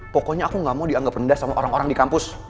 pokoknya aku gak mau dianggap rendah sama orang orang di kampus